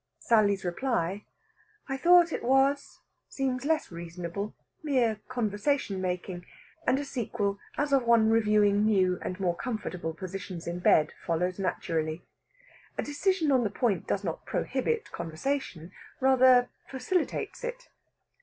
Sally's reply, "I thought it was," seems less reasonable mere conversation making and a sequel as of one reviewing new and more comfortable positions in bed follows naturally. A decision on the point does not prohibit conversation, rather facilitates it.